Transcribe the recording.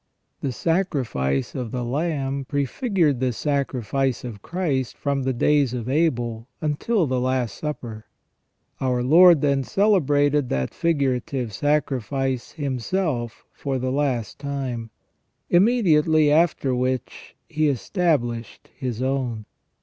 The sacrifice of the lamb pre figured the sacrifice of Christ from the days of Abel until the Last Supper. Our Lord then celebrated that figurative sacrifice Himself for the last time, immediately after which He established His own.